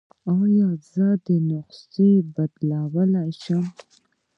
ایا زه نسخه بدلولی شم؟